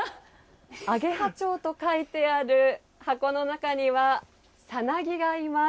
アゲハチョウと書いてある箱の中にはさなぎがいます。